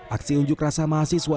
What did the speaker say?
aksi unjuk rasa mahasiswa